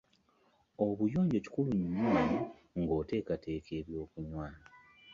Obuyonjo kikulu nnyo nga oteekateeka ebyokunywa.